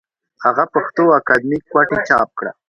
هغه پښتو اکادمي کوټې چاپ کړه